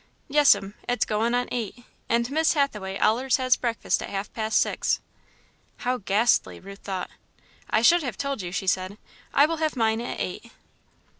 "Yes'm. It's goin' on eight, and Miss Hathaway allers has breakfast at half past six." "How ghastly," Ruth thought. "I should have told you," she said, "I will have mine at eight."